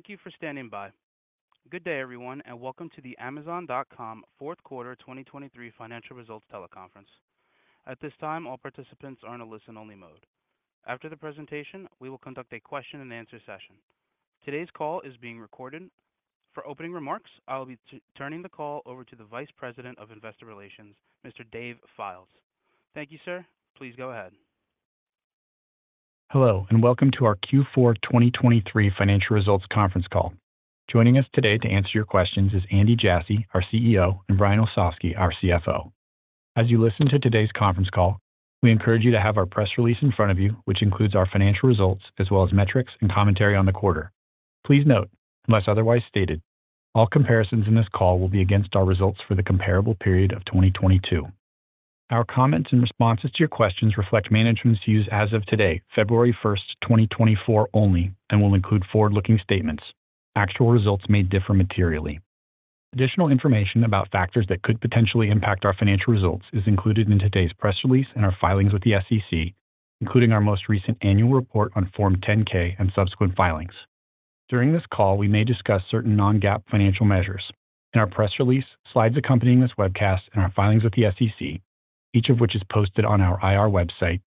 Thank you for standing by. Good day, everyone, and welcome to the Amazon.com Fourth Quarter 2023 Financial Results Teleconference. At this time, all participants are in a listen-only mode. After the presentation, we will conduct a question-and-answer session. Today's call is being recorded. For opening remarks, I will be turning the call over to the Vice President of Investor Relations, Mr. Dave Fildes. Thank you, sir. Please go ahead. Hello, and welcome to our Q4 2023 Financial Results Conference Call. Joining us today to answer your questions is Andy Jassy, our CEO, and Brian Olsavsky, our CFO. As you listen to today's conference call, we encourage you to have our press release in front of you, which includes our financial results, as well as metrics and commentary on the quarter. Please note, unless otherwise stated, all comparisons in this call will be against our results for the comparable period of 2022. Our comments and responses to your questions reflect management's views as of today, February 1st, 2024, only, and will include forward-looking statements. Actual results may differ materially. Additional information about factors that could potentially impact our financial results is included in today's press release and our filings with the SEC, including our most recent annual report on Form 10-K and subsequent filings. During this call, we may discuss certain non-GAAP financial measures. In our press release, slides accompanying this webcast and our filings with the SEC, each of which is posted on our IR website,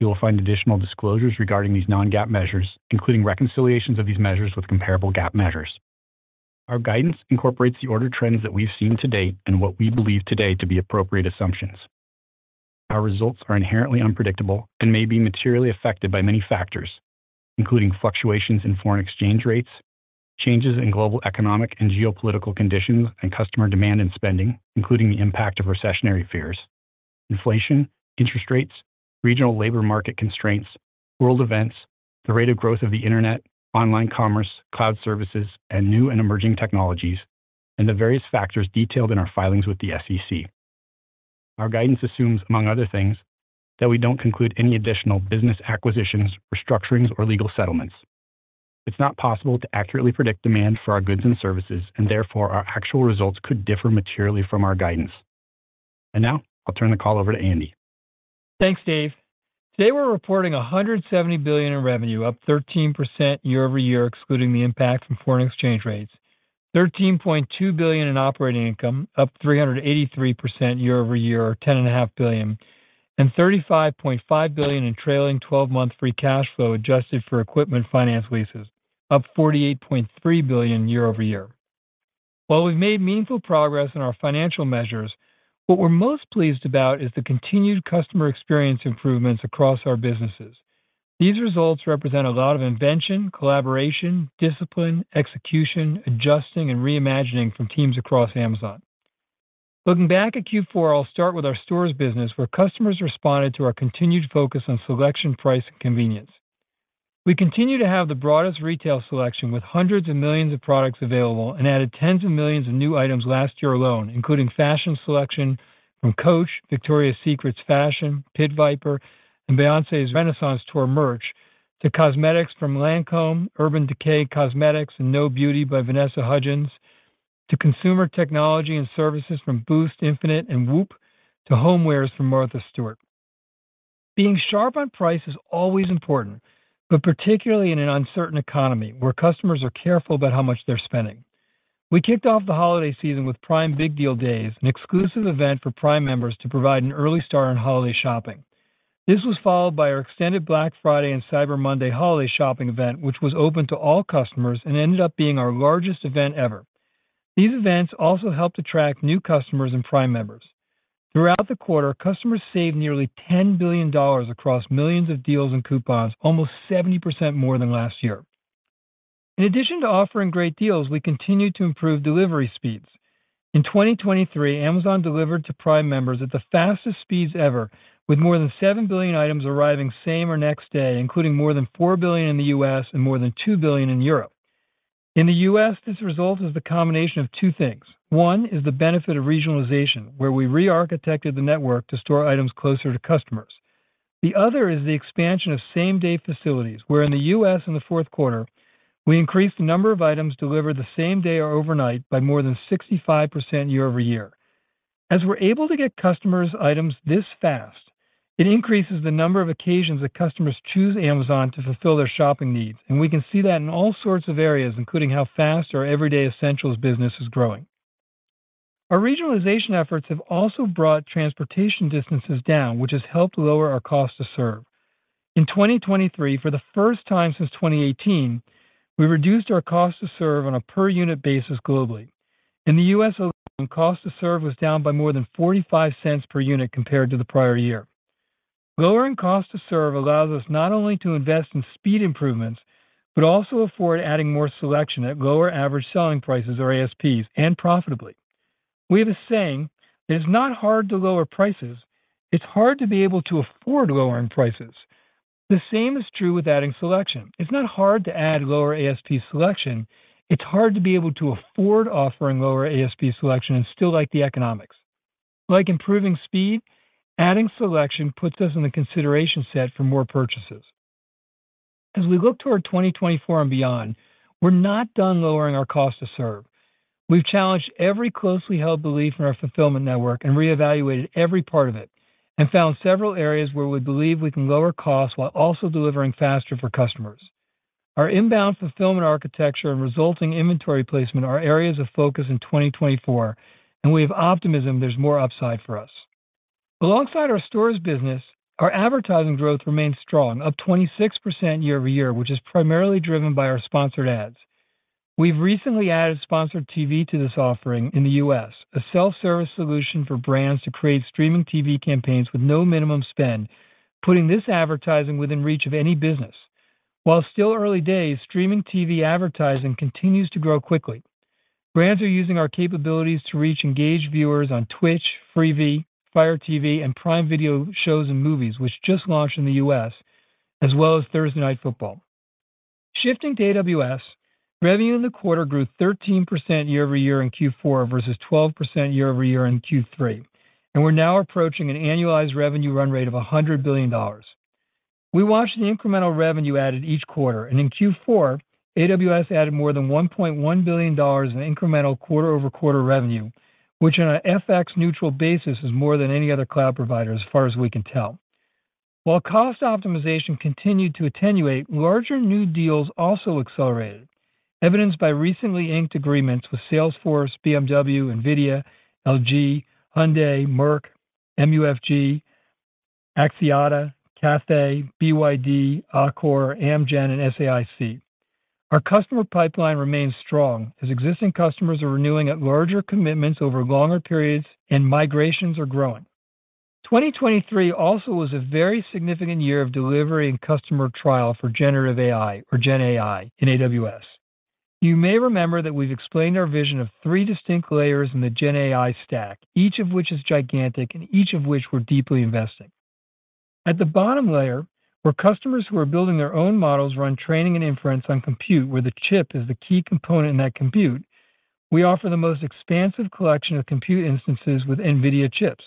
you will find additional disclosures regarding these non-GAAP measures, including reconciliations of these measures with comparable GAAP measures. Our guidance incorporates the order trends that we've seen to date and what we believe today to be appropriate assumptions. Our results are inherently unpredictable and may be materially affected by many factors, including fluctuations in foreign exchange rates, changes in global economic and geopolitical conditions and customer demand and spending, including the impact of recessionary fears, inflation, interest rates, regional labor market constraints, world events, the rate of growth of the internet, online commerce, cloud services, and new and emerging technologies, and the various factors detailed in our filings with the SEC. Our guidance assumes, among other things, that we don't conclude any additional business acquisitions, restructurings, or legal settlements. It's not possible to accurately predict demand for our goods and services, and therefore, our actual results could differ materially from our guidance. Now, I'll turn the call over to Andy. Thanks, Dave. Today, we're reporting $170 billion in revenue, up 13% year-over-year, excluding the impact from foreign exchange rates, $13.2 billion in operating income, up 383% year-over-year, or $10.5 billion, and $35.5 billion in trailing twelve-month free cash flow, adjusted for equipment finance leases, up $48.3 billion year-over-year. While we've made meaningful progress in our financial measures, what we're most pleased about is the continued customer experience improvements across our businesses. These results represent a lot of invention, collaboration, discipline, execution, adjusting, and reimagining from teams across Amazon. Looking back at Q4, I'll start with our stores business, where customers responded to our continued focus on selection, price, and convenience. We continue to have the broadest retail selection, with hundreds of millions of products available, and added tens of millions of new items last year alone, including fashion selection from Coach, Victoria's Secret's Fashion, Pit Viper, and Beyoncé's Renaissance Tour merch, to cosmetics from Lancôme, Urban Decay Cosmetics, and KNOW Beauty by Vanessa Hudgens, to consumer technology and services from Boost Infinite, and Whoop, to homewares from Martha Stewart. Being sharp on price is always important, but particularly in an uncertain economy, where customers are careful about how much they're spending. We kicked off the holiday season with Prime Big Deal Days, an exclusive event for Prime members to provide an early start on holiday shopping. This was followed by our extended Black Friday and Cyber Monday holiday shopping event, which was open to all customers and ended up being our largest event ever. These events also helped attract new customers and Prime members. Throughout the quarter, customers saved nearly $10 billion across millions of deals and coupons, almost 70% more than last year. In addition to offering great deals, we continued to improve delivery speeds. In 2023, Amazon delivered to Prime members at the fastest speeds ever, with more than 7 billion items arriving same or next day, including more than 4 billion in the U.S. and more than 2 billion in Europe. In the U.S., this result is the combination of two things. One is the benefit of regionalization, where we rearchitected the network to store items closer to customers. The other is the expansion of same-day facilities, where in the U.S. and the fourth quarter, we increased the number of items delivered the same day or overnight by more than 65% year-over-year. As we're able to get customers' items this fast, it increases the number of occasions that customers choose Amazon to fulfill their shopping needs, and we can see that in all sorts of areas, including how fast our everyday essentials business is growing. Our regionalization efforts have also brought transportation distances down, which has helped lower our cost to serve. In 2023, for the first time since 2018, we reduced our cost to serve on a per-unit basis globally. In the U.S., cost to serve was down by more than $0.45 per unit compared to the prior year. Lowering cost to serve allows us not only to invest in speed improvements, but also afford adding more selection at lower average selling prices or ASPs, and profitably. We have a saying, "It is not hard to lower prices. It's hard to be able to afford lowering prices." The same is true with adding selection. It's not hard to add lower ASP selection. It's hard to be able to afford offering lower ASP selection and still like the economics. Like improving speed, adding selection puts us in the consideration set for more purchases. As we look toward 2024 and beyond, we're not done lowering our cost to serve. We've challenged every closely held belief in our fulfillment network and reevaluated every part of it... and found several areas where we believe we can lower costs while also delivering faster for customers. Our inbound fulfillment architecture and resulting inventory placement are areas of focus in 2024, and we have optimism there's more upside for us. Alongside our stores business, our advertising growth remains strong, up 26% year-over-year, which is primarily driven by our sponsored ads. We've recently added Sponsored TV to this offering in the U.S., a self-service solution for brands to create streaming TV campaigns with no minimum spend, putting this advertising within reach of any business. While still early days, streaming TV advertising continues to grow quickly. Brands are using our capabilities to reach engaged viewers on Twitch, Freevee, Fire TV, and Prime Video shows and movies, which just launched in the U.S., as well as Thursday Night Football. Shifting to AWS, revenue in the quarter grew 13% year-over-year in Q4 versus 12% year-over-year in Q3, and we're now approaching an annualized revenue run rate of $100 billion. We watched the incremental revenue added each quarter, and in Q4, AWS added more than $1.1 billion in incremental quarter-over-quarter revenue, which on an FX neutral basis, is more than any other cloud provider, as far as we can tell. While cost optimization continued to attenuate, larger new deals also accelerated, evidenced by recently inked agreements with Salesforce, BMW, NVIDIA, LG, Hyundai, Merck, MUFG, Axiata, Cathay, BYD, Accor, Amgen, and SAIC. Our customer pipeline remains strong as existing customers are renewing at larger commitments over longer periods, and migrations are growing. 2023 also was a very significant year of delivery and customer trial for generative AI or GenAI in AWS. You may remember that we've explained our vision of three distinct layers in the GenAI stack, each of which is gigantic and each of which we're deeply investing. At the bottom layer, where customers who are building their own models run training and inference on compute, where the chip is the key component in that compute, we offer the most expansive collection of compute instances with NVIDIA chips.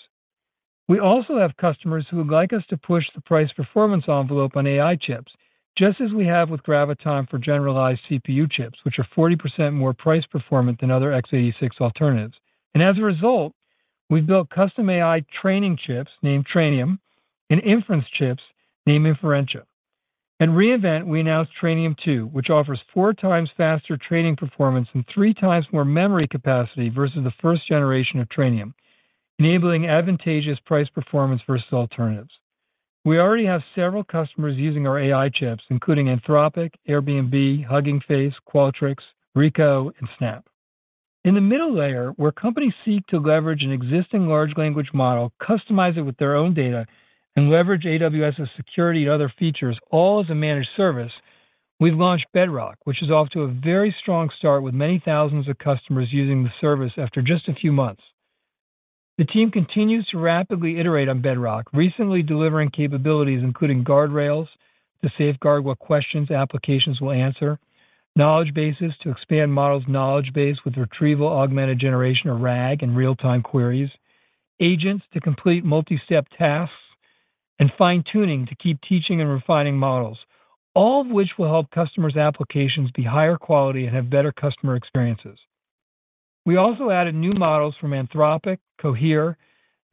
We also have customers who would like us to push the price-performance envelope on AI chips, just as we have with Graviton for generalized CPU chips, which are 40% more price performant than other x86 alternatives. And as a result, we've built custom AI training chips named Trainium and inference chips named Inferentia. At re:Invent, we announced Trainium2, which offers 4x faster training performance and 3x more memory capacity versus the first generation of Trainium, enabling advantageous price performance versus alternatives. We already have several customers using our AI chips, including Anthropic, Airbnb, Hugging Face, Qualtrics, Ricoh, and Snap. In the middle layer, where companies seek to leverage an existing large language model, customize it with their own data, and leverage AWS's security and other features, all as a managed service, we've launched Bedrock, which is off to a very strong start with many thousands of customers using the service after just a few months. The team continues to rapidly iterate on Bedrock, recently delivering capabilities including guardrails to safeguard what questions applications will answer, knowledge bases to expand models' knowledge base with Retrieval-Augmented Generation or RAG, and real-time queries, agents to complete multi-step tasks, and fine-tuning to keep teaching and refining models, all of which will help customers' applications be higher quality and have better customer experiences. We also added new models from Anthropic, Cohere,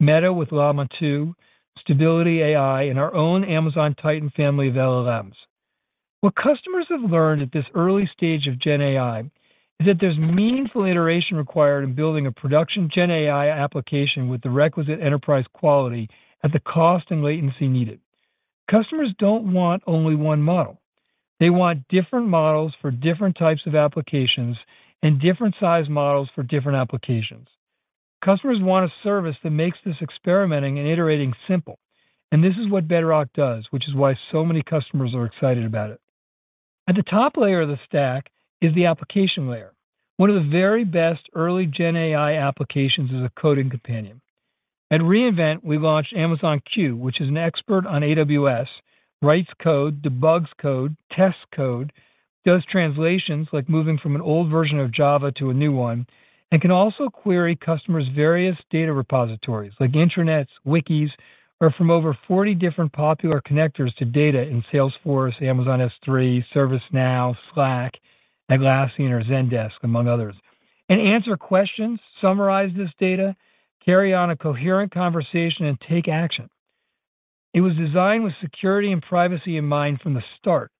Meta with Llama 2, Stability AI, and our own Amazon Titan family of LLMs. What customers have learned at this early stage of GenAI is that there's meaningful iteration required in building a production GenAI application with the requisite enterprise quality at the cost and latency needed. Customers don't want only one model. They want different models for different types of applications and different size models for different applications. Customers want a service that makes this experimenting and iterating simple, and this is what Bedrock does, which is why so many customers are excited about it. At the top layer of the stack is the application layer. One of the very best early GenAI applications is a coding companion. At re:Invent, we launched Amazon Q, which is an expert on AWS, writes code, debugs code, tests code, does translations, like moving from an old version of Java to a new one, and can also query customers' various data repositories, like intranets, wikis, or from over 40 different popular connectors to data in Salesforce, Amazon S3, ServiceNow, Slack, Atlassian, or Zendesk, among others, and answer questions, summarize this data, carry on a coherent conversation, and take action. It was designed with security and privacy in mind from the start,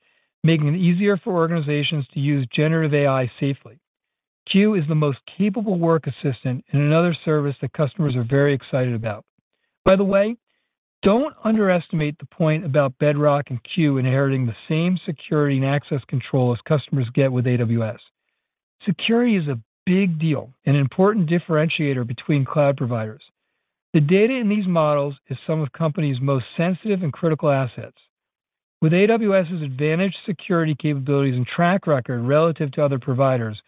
making it easier for organizations to use generative AI safely. Q is the most capable work assistant and another service that customers are very excited about. By the way, don't underestimate the point about Bedrock and Q inheriting the same security and access control as customers get with AWS. Security is a big deal and an important differentiator between cloud providers. The data in these models is some of companies' most sensitive and critical assets. With AWS's advantage, security capabilities, and track record relative to other providers,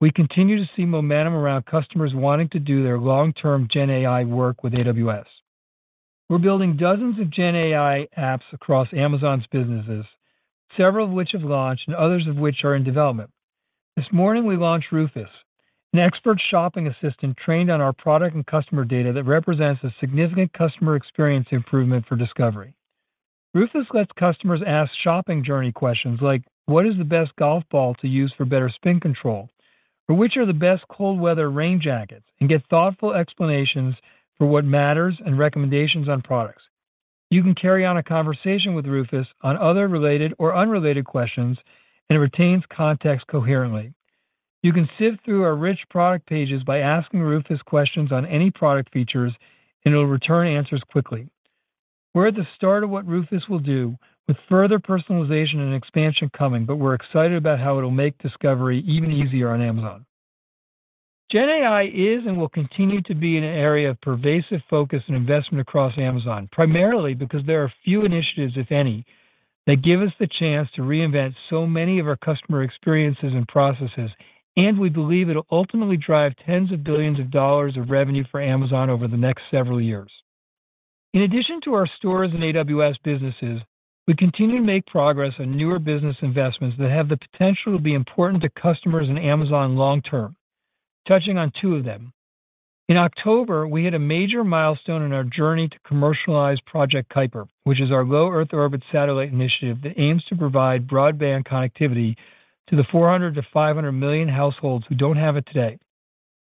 we continue to see momentum around customers wanting to do their long-term GenAI work with AWS. We're building dozens of GenAI apps across Amazon's businesses, several of which have launched and others of which are in development. This morning, we launched Rufus, an expert shopping assistant trained on our product and customer data that represents a significant customer experience improvement for discovery. Rufus lets customers ask shopping journey questions like, "What is the best golf ball to use for better spin control?" or, "Which are the best cold weather rain jackets?" and get thoughtful explanations for what matters and recommendations on products. You can carry on a conversation with Rufus on other related or unrelated questions, and it retains context coherently. You can sift through our rich product pages by asking Rufus questions on any product features, and it'll return answers quickly. We're at the start of what Rufus will do with further personalization and expansion coming, but we're excited about how it'll make discovery even easier on Amazon. GenAI is and will continue to be an area of pervasive focus and investment across Amazon, primarily because there are few initiatives, if any, that give us the chance to reinvent so many of our customer experiences and processes, and we believe it'll ultimately drive tens of billions of dollars of revenue for Amazon over the next several years. In addition to our stores and AWS businesses, we continue to make progress on newer business investments that have the potential to be important to customers and Amazon long term. Touching on two of them. In October, we hit a major milestone in our journey to commercialize Project Kuiper, which is our low-Earth orbit satellite initiative that aims to provide broadband connectivity to the 400-500 million households who don't have it today.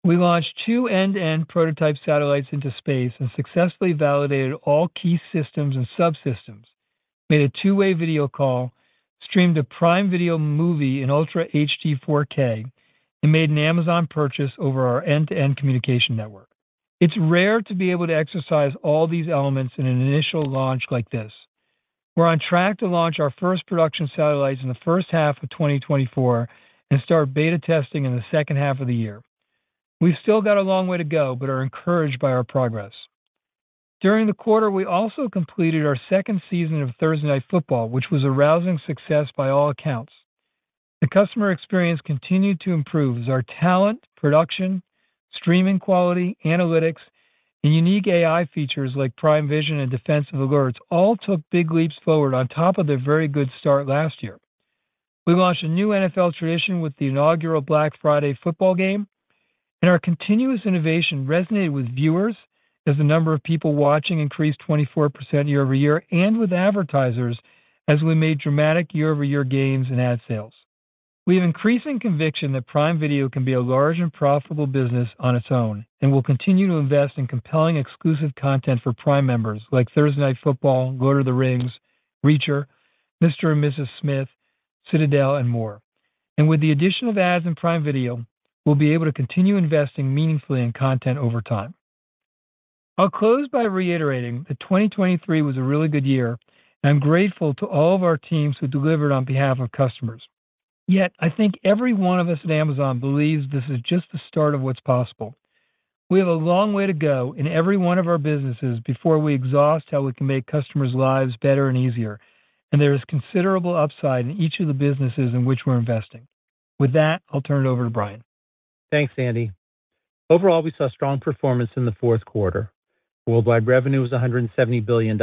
We launched 2 end-to-end prototype satellites into space and successfully validated all key systems and subsystems, made a two-way video call, streamed a Prime Video movie in ultra HD 4K, and made an Amazon purchase over our end-to-end communication network. It's rare to be able to exercise all these elements in an initial launch like this. We're on track to launch our first production satellites in the first half of 2024 and start beta testing in the second half of the year. We've still got a long way to go, but are encouraged by our progress. During the quarter, we also completed our second season of Thursday Night Football, which was a rousing success by all accounts. The customer experience continued to improve as our talent, production, streaming quality, analytics, and unique AI features like Prime Vision and defensive alerts, all took big leaps forward on top of their very good start last year. We launched a new NFL tradition with the inaugural Black Friday football game, and our continuous innovation resonated with viewers as the number of people watching increased 24% year-over-year, and with advertisers as we made dramatic year-over-year gains in ad sales. We have increasing conviction that Prime Video can be a large and profitable business on its own, and we'll continue to invest in compelling exclusive content for Prime members like Thursday Night Football, Lord of the Rings, Reacher, Mr. and Mrs. Smith, Citadel, and more. With the addition of ads in Prime Video, we'll be able to continue investing meaningfully in content over time. I'll close by reiterating that 2023 was a really good year. I'm grateful to all of our teams who delivered on behalf of customers. Yet I think every one of us at Amazon believes this is just the start of what's possible. We have a long way to go in every one of our businesses before we exhaust how we can make customers' lives better and easier, and there is considerable upside in each of the businesses in which we're investing. With that, I'll turn it over to Brian. Thanks, Andy. Overall, we saw strong performance in the fourth quarter. Worldwide revenue was $170 billion,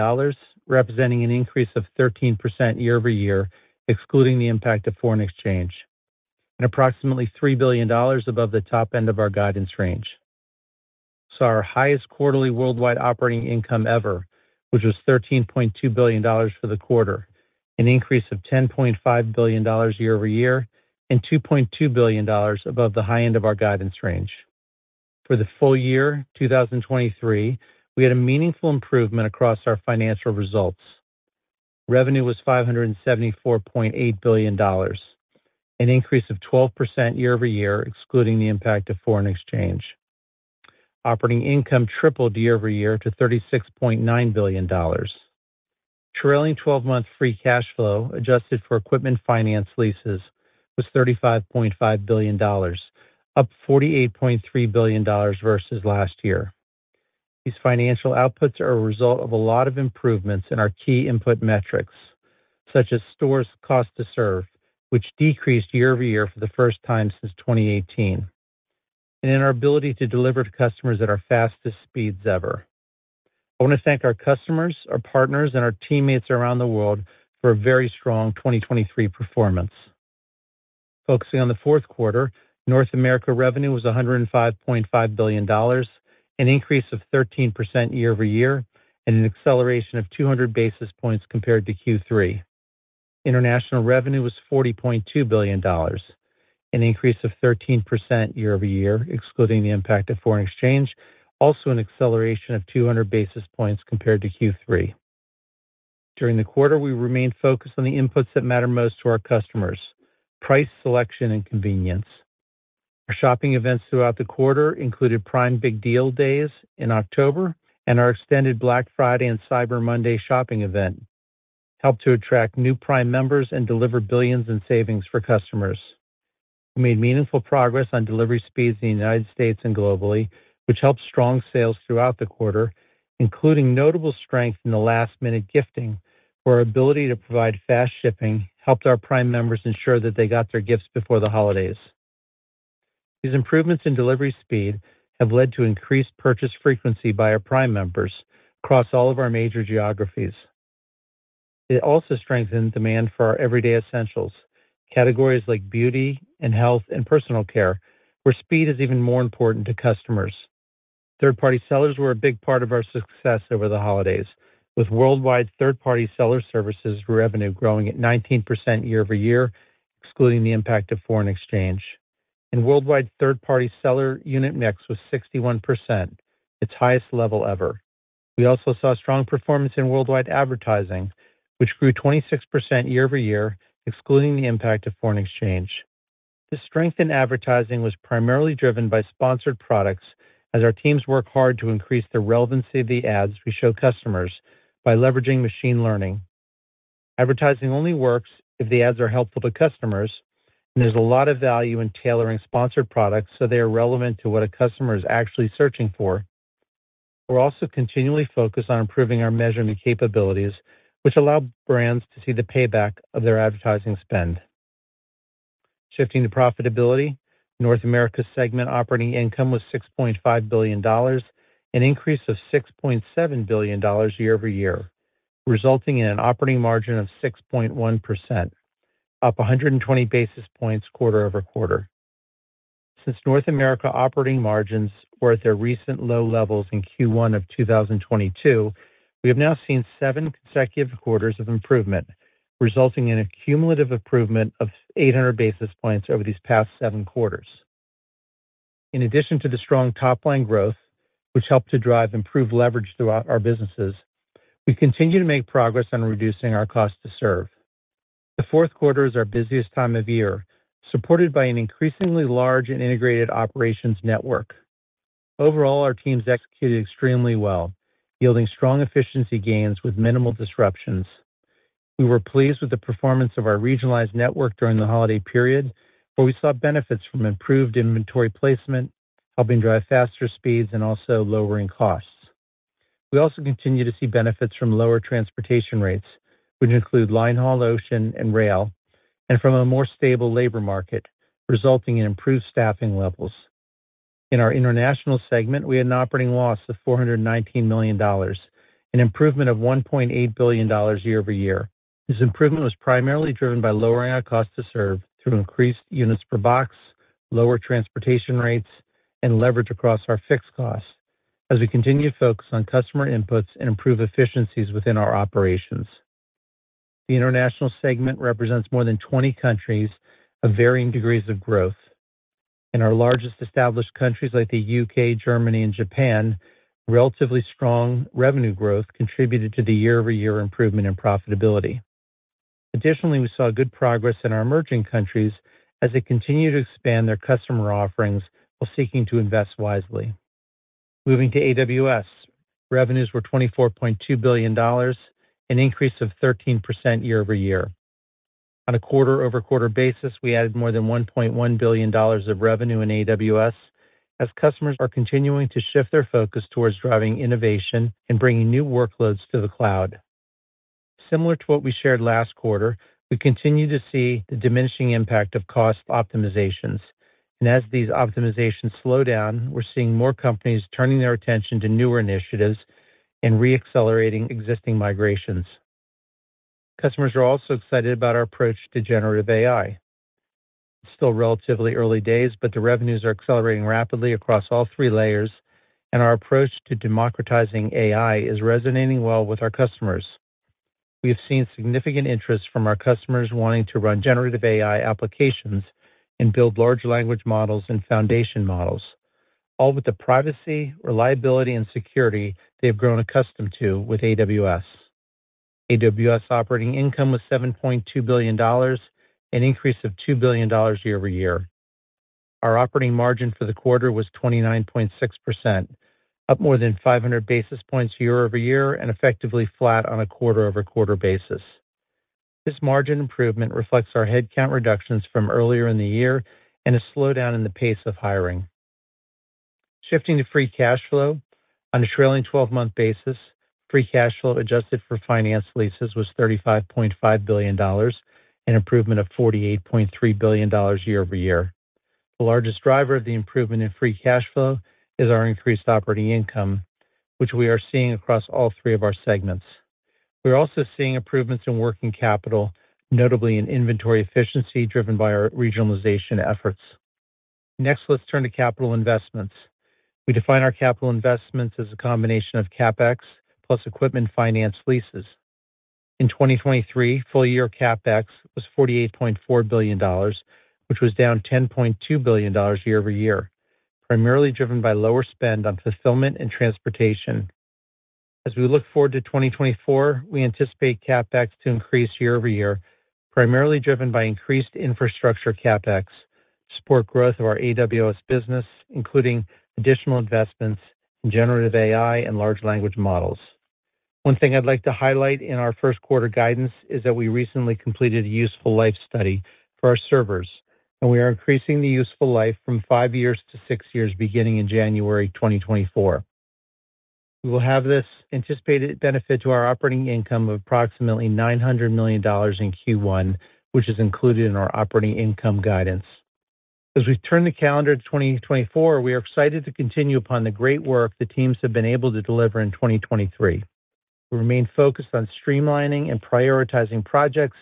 representing an increase of 13% year-over-year, excluding the impact of foreign exchange, and approximately $3 billion above the top end of our guidance range. Our highest quarterly worldwide operating income ever, which was $13.2 billion for the quarter, an increase of $10.5 billion year-over-year, and $2.2 billion above the high end of our guidance range. For the full year, 2023, we had a meaningful improvement across our financial results. Revenue was $574.8 billion, an increase of 12% year-over-year, excluding the impact of foreign exchange. Operating income tripled year-over-year to $36.9 billion. Trailing 12-month free cash flow, adjusted for equipment finance leases, was $35.5 billion, up $48.3 billion versus last year. These financial outputs are a result of a lot of improvements in our key input metrics, such as stores' cost to serve, which decreased year-over-year for the first time since 2018, and in our ability to deliver to customers at our fastest speeds ever. I want to thank our customers, our partners, and our teammates around the world for a very strong 2023 performance. Focusing on the fourth quarter, North America revenue was $105.5 billion, an increase of 13% year-over-year, and an acceleration of 200 basis points compared to Q3. International revenue was $40.2 billion, an increase of 13% year-over-year, excluding the impact of foreign exchange, also an acceleration of 200 basis points compared to Q3. During the quarter, we remained focused on the inputs that matter most to our customers: price, selection, and convenience. Our shopping events throughout the quarter included Prime Big Deal Days in October, and our extended Black Friday and Cyber Monday shopping event helped to attract new Prime members and deliver billions in savings for customers. We made meaningful progress on delivery speeds in the United States and globally, which helped strong sales throughout the quarter, including notable strength in the last-minute gifting, where our ability to provide fast shipping helped our Prime members ensure that they got their gifts before the holidays. These improvements in delivery speed have led to increased purchase frequency by our Prime members across all of our major geographies. It also strengthened demand for our everyday essentials, categories like beauty and health and personal care, where speed is even more important to customers... Third-party sellers were a big part of our success over the holidays, with worldwide third-party seller services revenue growing at 19% year-over-year, excluding the impact of foreign exchange. And worldwide third-party seller unit mix was 61%, its highest level ever. We also saw strong performance in worldwide advertising, which grew 26% year-over-year, excluding the impact of foreign exchange. This strength in advertising was primarily driven by Sponsored Products, as our teams worked hard to increase the relevancy of the ads we show customers by leveraging machine learning. Advertising only works if the ads are helpful to customers, and there's a lot of value in tailoring Sponsored Products so they are relevant to what a customer is actually searching for. We're also continually focused on improving our measurement capabilities, which allow brands to see the payback of their advertising spend. Shifting to profitability, North America segment operating income was $6.5 billion, an increase of $6.7 billion year-over-year, resulting in an operating margin of 6.1%, up 120 basis points quarter-over-quarter. Since North America operating margins were at their recent low levels in Q1 of 2022, we have now seen 7 consecutive quarters of improvement, resulting in a cumulative improvement of 800 basis points over these past 7 quarters. In addition to the strong top-line growth, which helped to drive improved leverage throughout our businesses, we continue to make progress on reducing our cost to serve. The fourth quarter is our busiest time of year, supported by an increasingly large and integrated operations network. Overall, our teams executed extremely well, yielding strong efficiency gains with minimal disruptions. We were pleased with the performance of our regionalized network during the holiday period, where we saw benefits from improved inventory placement, helping drive faster speeds and also lowering costs. We also continue to see benefits from lower transportation rates, which include line haul, ocean, and rail, and from a more stable labor market, resulting in improved staffing levels. In our international segment, we had an operating loss of $419 million, an improvement of $1.8 billion year-over-year. This improvement was primarily driven by lowering our cost to serve through increased units per box, lower transportation rates, and leverage across our fixed costs as we continue to focus on customer inputs and improve efficiencies within our operations. The international segment represents more than 20 countries of varying degrees of growth. In our largest established countries like the U.K., Germany, and Japan, relatively strong revenue growth contributed to the year-over-year improvement in profitability. Additionally, we saw good progress in our emerging countries as they continue to expand their customer offerings while seeking to invest wisely. Moving to AWS, revenues were $24.2 billion, an increase of 13% year-over-year. On a quarter-over-quarter basis, we added more than $1.1 billion of revenue in AWS, as customers are continuing to shift their focus towards driving innovation and bringing new workloads to the cloud. Similar to what we shared last quarter, we continue to see the diminishing impact of cost optimizations, and as these optimizations slow down, we're seeing more companies turning their attention to newer initiatives and re-accelerating existing migrations. Customers are also excited about our approach to generative AI. It's still relatively early days, but the revenues are accelerating rapidly across all three layers, and our approach to democratizing AI is resonating well with our customers. We have seen significant interest from our customers wanting to run generative AI applications and build large language models and foundation models, all with the privacy, reliability, and security they've grown accustomed to with AWS. AWS operating income was $7.2 billion, an increase of $2 billion year-over-year. Our operating margin for the quarter was 29.6%, up more than 500 basis points year-over-year and effectively flat on a quarter-over-quarter basis. This margin improvement reflects our headcount reductions from earlier in the year and a slowdown in the pace of hiring. Shifting to free cash flow. On a trailing 12-month basis, free cash flow adjusted for finance leases was $35.5 billion, an improvement of $48.3 billion year-over-year. The largest driver of the improvement in free cash flow is our increased operating income, which we are seeing across all three of our segments. We are also seeing improvements in working capital, notably in inventory efficiency, driven by our regionalization efforts. Next, let's turn to capital investments. We define our capital investments as a combination of CapEx plus equipment finance leases. In 2023, full-year CapEx was $48.4 billion, which was down $10.2 billion year-over-year, primarily driven by lower spend on fulfillment and transportation. As we look forward to 2024, we anticipate CapEx to increase year-over-year, primarily driven by increased infrastructure CapEx to support growth of our AWS business, including additional investments in generative AI and large language models. One thing I'd like to highlight in our first quarter guidance is that we recently completed a useful life study for our servers, and we are increasing the useful life from 5 years to 6 years, beginning in January 2024. We will have this anticipated benefit to our operating income of approximately $900 million in Q1, which is included in our operating income guidance. As we turn the calendar to 2024, we are excited to continue upon the great work the teams have been able to deliver in 2023.... We remain focused on streamlining and prioritizing projects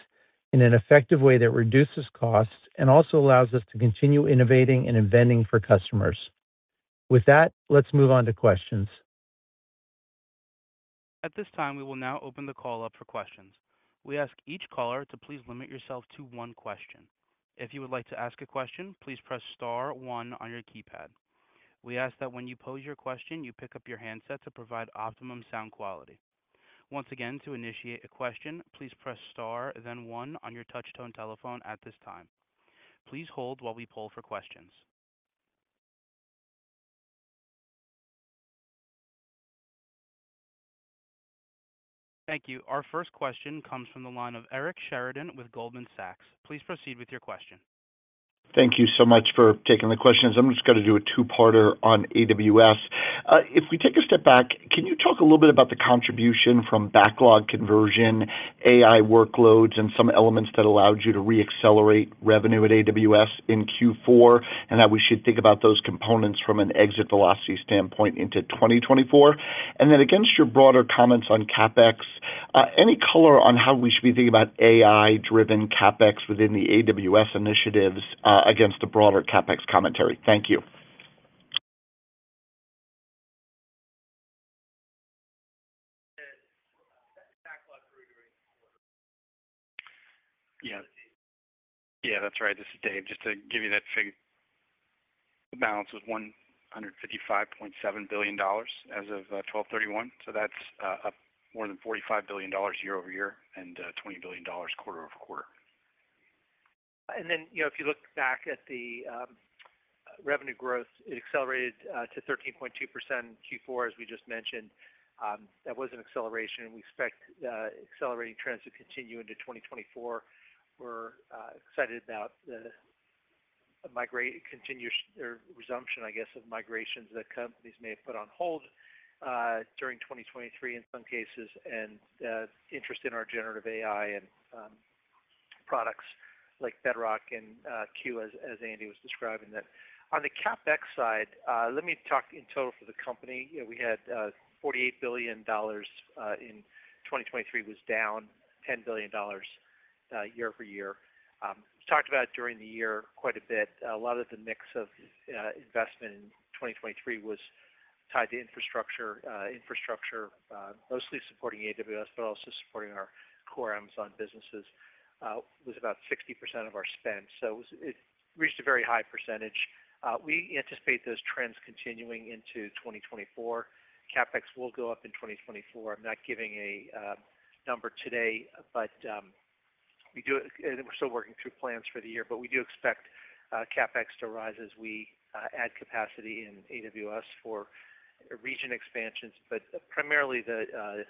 in an effective way that reduces costs and also allows us to continue innovating and inventing for customers. With that, let's move on to questions. At this time, we will now open the call up for questions. We ask each caller to please limit yourself to one question. If you would like to ask a question, please press star one on your keypad. We ask that when you pose your question, you pick up your handset to provide optimum sound quality. Once again, to initiate a question, please press star, then one on your touchtone telephone at this time. Please hold while we poll for questions. Thank you. Our first question comes from the line of Eric Sheridan with Goldman Sachs. Please proceed with your question. Thank you so much for taking the questions. I'm just gonna do a two-parter on AWS. If we take a step back, can you talk a little bit about the contribution from backlog conversion, AI workloads, and some elements that allowed you to reaccelerate revenue at AWS in Q4, and how we should think about those components from an exit velocity standpoint into 2024? And then against your broader comments on CapEx, any color on how we should be thinking about AI-driven CapEx within the AWS initiatives, against the broader CapEx commentary? Thank you. Backlog reiteration. Yeah. Yeah, that's right. This is Dave. Just to give you that figure, the balance was $155.7 billion as of 12/31, so that's up more than $45 billion year-over-year and $20 billion quarter-over-quarter. Then, you know, if you look back at the revenue growth, it accelerated to 13.2% in Q4, as we just mentioned. That was an acceleration, and we expect accelerating trends to continue into 2024. We're excited about the continuous or resumption, I guess, of migrations that companies may have put on hold during 2023 in some cases, and interest in our generative AI and products like Bedrock and Q, as Andy was describing that. On the CapEx side, let me talk in total for the company. You know, we had $48 billion in 2023, was down $10 billion year-over-year. We talked about during the year quite a bit, a lot of the mix of investment in 2023 was tied to infrastructure. Infrastructure, mostly supporting AWS, but also supporting our core Amazon businesses, was about 60% of our spend. So it was- it reached a very high percentage. We anticipate those trends continuing into 2024. CapEx will go up in 2024. I'm not giving a number today, but we do... We're still working through plans for the year, but we do expect CapEx to rise as we add capacity in AWS for region expansions, but primarily the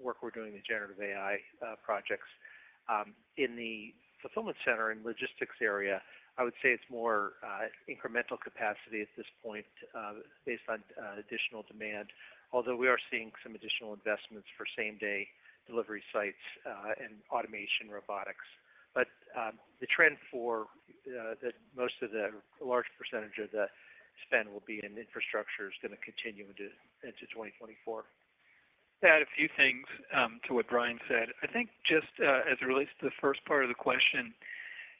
work we're doing in the generative AI projects. In the fulfillment center and logistics area, I would say it's more incremental capacity at this point, based on additional demand. Although, we are seeing some additional investments for same-day delivery sites and automation robotics. The trend for the most of the large percentage of the spend will be in infrastructure is gonna continue into 2024. To add a few things to what Brian said. I think just as it relates to the first part of the question,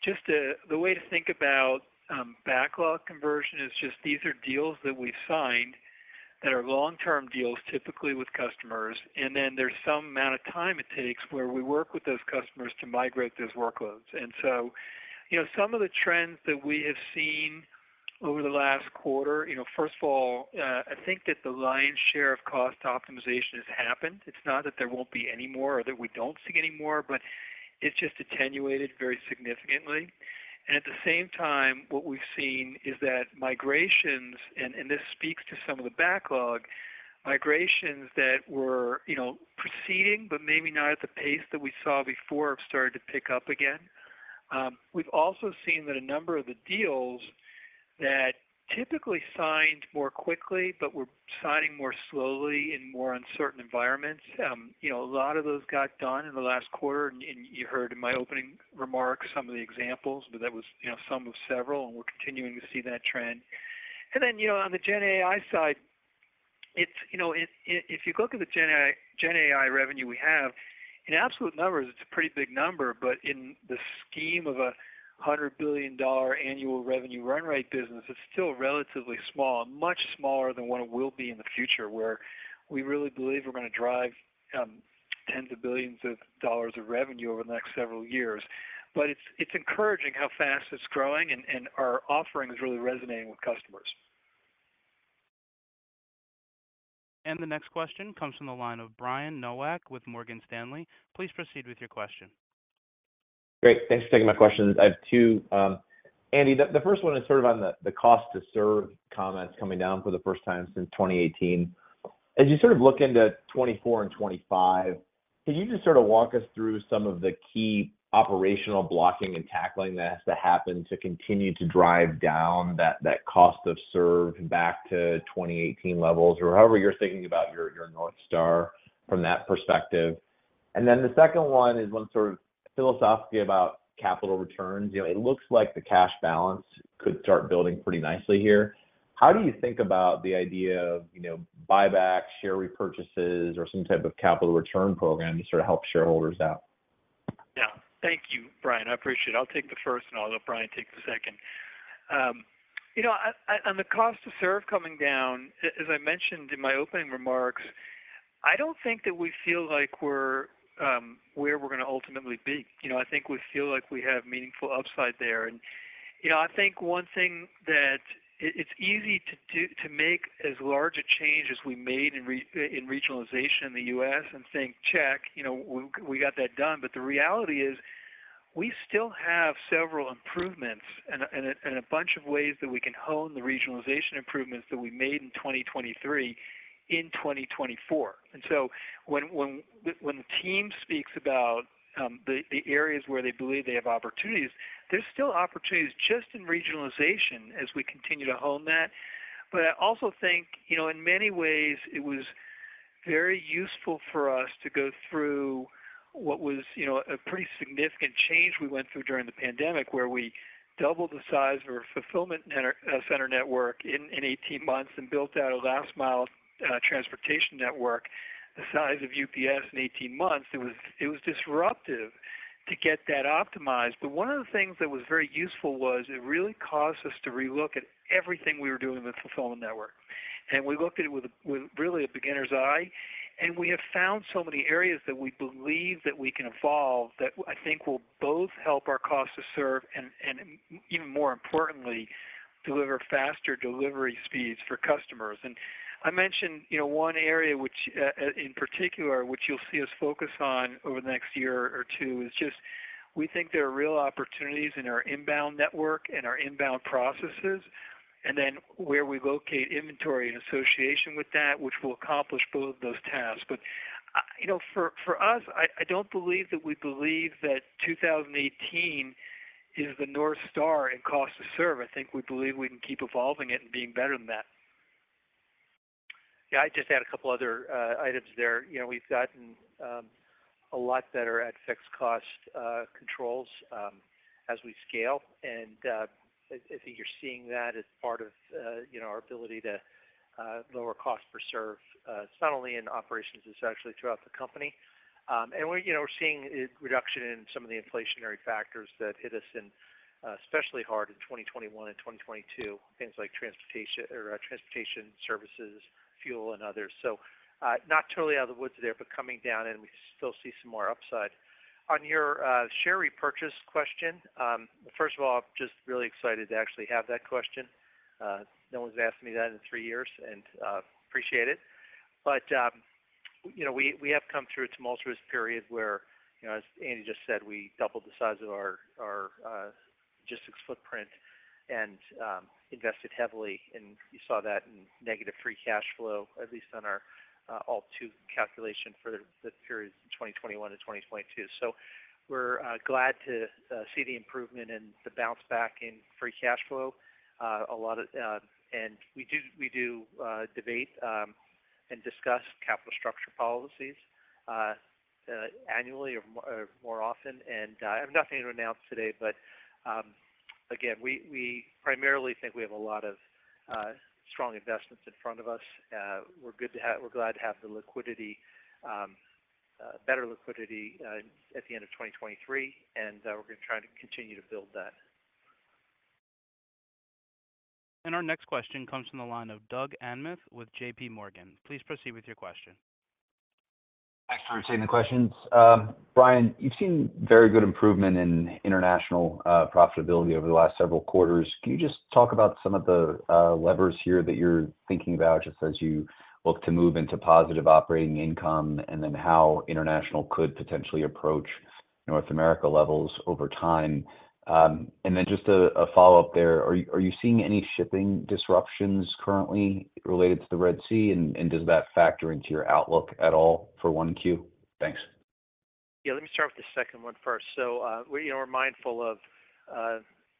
just the way to think about backlog conversion is just these are deals that we've signed that are long-term deals, typically with customers, and then there's some amount of time it takes where we work with those customers to migrate those workloads. And so, you know, some of the trends that we have seen over the last quarter, you know, first of all, I think that the lion's share of cost optimization has happened. It's not that there won't be any more or that we don't see any more, but it's just attenuated very significantly. At the same time, what we've seen is that migrations, and this speaks to some of the backlog, migrations that were, you know, proceeding, but maybe not at the pace that we saw before, have started to pick up again. We've also seen that a number of the deals that typically signed more quickly but were signing more slowly in more uncertain environments, you know, a lot of those got done in the last quarter, and you heard in my opening remarks some of the examples, but that was, you know, some of several, and we're continuing to see that trend. Then, you know, on the GenAI side, it's, you know, if you look at the GenAI revenue we have, in absolute numbers, it's a pretty big number, but in the scheme of a $100 billion annual revenue run rate business, it's still relatively small, much smaller than what it will be in the future, where we really believe we're gonna drive tens of billions of dollars of revenue over the next several years. But it's encouraging how fast it's growing, and our offering is really resonating with customers. The next question comes from the line of Brian Nowak with Morgan Stanley. Please proceed with your question. Great. Thanks for taking my questions. I have two. Andy, the first one is sort of on the cost to serve comments coming down for the first time since 2018. As you sort of look into 2024 and 2025, can you just sort of walk us through some of the key operational blocking and tackling that has to happen to continue to drive down that cost of serve back to 2018 levels, or however you're thinking about your North Star from that perspective? And then the second one is one sort of philosophy about capital returns. You know, it looks like the cash balance could start building pretty nicely here. How do you think about the idea of, you know, buybacks, share repurchases, or some type of capital return program to sort of help shareholders out? Yeah. Thank you, Brian. I appreciate it. I'll take the first, and I'll let Brian take the second. You know, I-- on the cost to serve coming down, as I mentioned in my opening remarks, I don't think that we feel like we're where we're gonna ultimately be. You know, I think we feel like we have meaningful upside there. And, you know, I think one thing that it's easy to do-- to make as large a change as we made in regionalization in the U.S. and think, check, you know, we got that done. But the reality is, we still have several improvements and a bunch of ways that we can hone the regionalization improvements that we made in 2023 in 2024. And so when the team speaks about the areas where they believe they have opportunities, there's still opportunities just in regionalization as we continue to hone that. But I also think, you know, in many ways, it was very useful for us to go through what was, you know, a pretty significant change we went through during the pandemic, where we doubled the size of our fulfillment center center network in 18 months and built out a last mile transportation network the size of UPS in 18 months. It was disruptive to get that optimized. But one of the things that was very useful was it really caused us to relook at everything we were doing with the fulfillment network. We looked at it with really a beginner's eye, and we have found so many areas that we believe that we can evolve, that I think will both help our cost to serve and even more importantly, deliver faster delivery speeds for customers. I mentioned, you know, one area which in particular, which you'll see us focus on over the next year or two, is just we think there are real opportunities in our inbound network and our inbound processes, and then where we locate inventory in association with that, which will accomplish both of those tasks. You know, for us, I don't believe that we believe that 2018 is the North Star in cost to serve. I think we believe we can keep evolving it and being better than that. Yeah, I'd just add a couple other items there. You know, we've gotten a lot better at fixed cost controls as we scale, and I, I think you're seeing that as part of you know, our ability to lower cost to serve, it's not only in operations, it's actually throughout the company. And we're you know, we're seeing a reduction in some of the inflationary factors that hit us in especially hard in 2021 and 2022. Things like transportation or transportation services, fuel, and others. So, not totally out of the woods there, but coming down, and we still see some more upside. On your share repurchase question, first of all, I'm just really excited to actually have that question. No one's asked me that in three years, and appreciate it. But you know, we have come through a tumultuous period where, you know, as Andy just said, we doubled the size of our logistics footprint and invested heavily, and you saw that in negative free cash flow, at least on our all-in calculation for the periods of 2021 to 2022. So we're glad to see the improvement and the bounce back in free cash flow. And we do debate and discuss capital structure policies annually or more often. And I have nothing to announce today, but again, we primarily think we have a lot of strong investments in front of us. We're good to have—we're glad to have the liquidity, better liquidity, at the end of 2023, and we're gonna try to continue to build that. Our next question comes from the line of Doug Anmuth with J.P. Morgan. Please proceed with your question. Thanks for taking the questions. Brian, you've seen very good improvement in international profitability over the last several quarters. Can you just talk about some of the levers here that you're thinking about, just as you look to move into positive operating income, and then how international could potentially approach North America levels over time? And then just a follow-up there. Are you seeing any shipping disruptions currently related to the Red Sea, and does that factor into your outlook at all for 1Q? Thanks. Yeah, let me start with the second one first. So, we, you know, we're mindful of